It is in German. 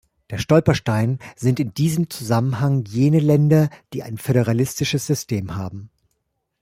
Der Stolperstein sind in diesem Zusammenhang jene Länder, die ein föderalistisches System haben.